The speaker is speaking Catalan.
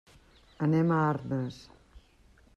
Anem a Arnes.